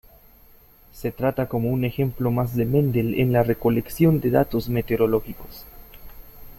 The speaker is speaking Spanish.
Se trata como un ejemplo más de Mendel en la recolección de datos meteorológicos.